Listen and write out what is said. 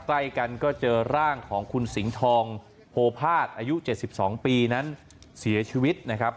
ใกล้กันก็เจอร่างของคุณสิงห์ทองโพภาษอายุ๗๒ปีนั้นเสียชีวิตนะครับ